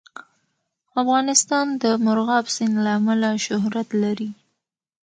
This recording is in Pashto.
افغانستان د مورغاب سیند له امله شهرت لري.